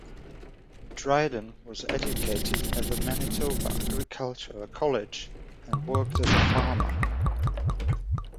Dryden was educated at the Manitoba Agricultural College, and worked as a farmer.